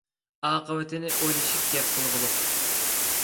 ئاقىۋىتىنى ئويلىشىپ گەپ قىلغۇلۇق!